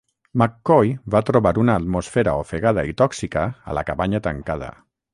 McCoy va trobar una atmosfera ofegada i tòxica a la cabanya tancada.